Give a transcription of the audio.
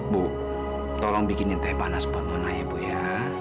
bu tolong bikinin teh panas buat nona ya